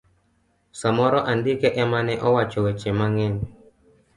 samoro andike emane owacho weche mangeny.